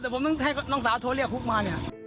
แต่ผมต้องให้น้องสาวโทรเรียกฮุกมาเนี่ย